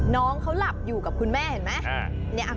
น้องเขาหลับอยู่กับคุณแม่เห็นไหม